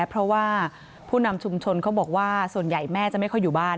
เพราะว่าผู้นำชุมชนเขาบอกว่าส่วนใหญ่แม่จะไม่ค่อยอยู่บ้าน